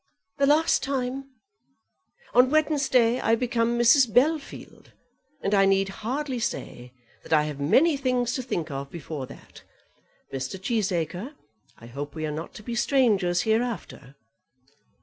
"The last time. On Wednesday I become Mrs. Bellfield, and I need hardly say that I have many things to think of before that; but Mr. Cheesacre, I hope we are not to be strangers hereafter?"